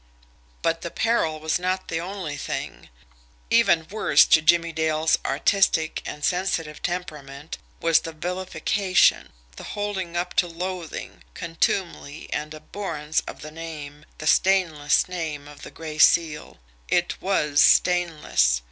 But the peril was not the only thing. Even worse to Jimmie Dale's artistic and sensitive temperament was the vilification, the holding up to loathing, contumely, and abhorrence of the name, the stainless name, of the Gray Seal. It WAS stainless!